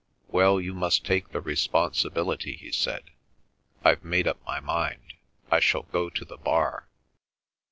"Well, you must take the responsibility," he said. "I've made up my mind; I shall go to the Bar."